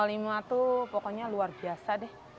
lima itu pokoknya luar biasa